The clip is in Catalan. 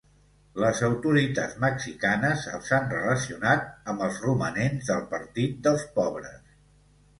Les autoritats mexicanes els han relacionat amb els romanents del Partit dels Pobres.